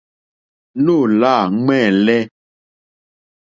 Nóò lâ ŋwɛ́ǃɛ́lɛ́.